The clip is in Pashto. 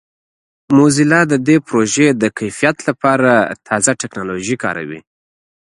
موزیلا د دې پروژې د کیفیت لپاره د جدید ټکنالوژیو کاروي.